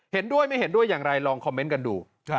เห็นด้วยไม่เห็นด้วยอย่างไรลองคอมเมนต์กันดู